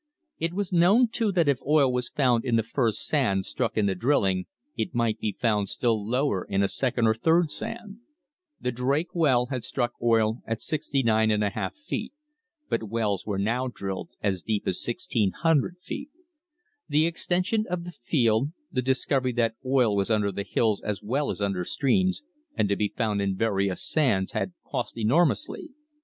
It was known, too, that if oil was found in the first sand struck in the drilling, it might be found still lower in a second or third sand. The Drake well had struck oil at 69% feet, but wells were now drilled as deep as 1,600 feet. The extension of the field, the discovery that oil was under the hills as well as under streams, and to be found in various sands, had cost enormously.